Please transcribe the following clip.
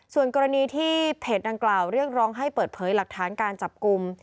ส่วนกรณีที่เพจดังกล่าวเรียกร้องให้เปิดเผยหลักฐานการจับกลุ่ม